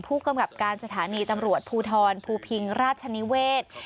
ผู้กำกับการสถานีตำรวจภูทรภูพิงราชนิเวศ